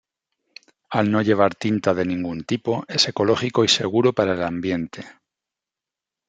Al no llevar tinta de ningún tipo es ecológico y seguro para el ambiente.